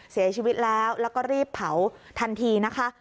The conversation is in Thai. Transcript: เสียชีวิตแล้วแล้วก็รีบเผาทันทีนะคะ